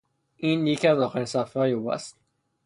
این یکی از آخرین صفحههای او است.